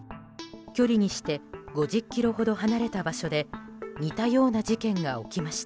距離にして５０ｋｍほど離れた場所で似たような事件が起きました。